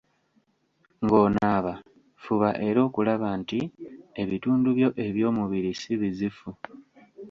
Ng'onaaba, fuba era okulaba nti ebitundu byo ebyomubiri si bizifu.